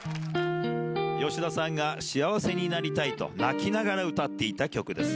吉田さんが幸せになりたいと、泣きながら歌っていた曲です。